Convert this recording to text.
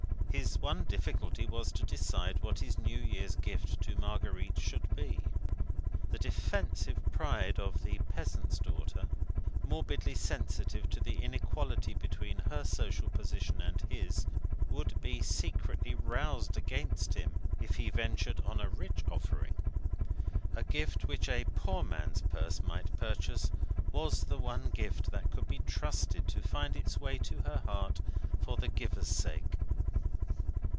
His one difficulty was to decide what his New Year's gift to Marguerite should be. The defensive pride of the peasant's daughter morbidly sensitive to the inequality between her social position and his would be secretly roused against him if he ventured on a rich offering. A gift, which a poor man's purse might purchase, was the one gift that could be trusted to find its way to her heart, for the giver's sake.